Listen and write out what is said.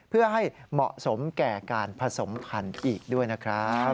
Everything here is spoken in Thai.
เพื่อให้เหมาะสมแก่การผสมพันธุ์อีกด้วยนะครับ